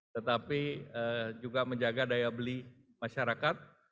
tetapi juga menjaga daya beli masyarakat